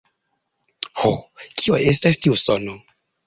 Ho, kio estas tiu sono?